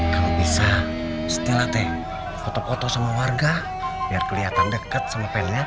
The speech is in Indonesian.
kalau misalnya stella teh foto foto sama warga biar kelihatan dekat sama penyakit